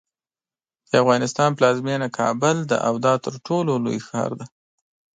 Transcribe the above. د افغانستان پلازمینه کابل ده او دا ترټولو لوی ښار دی.